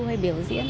hay biểu diễn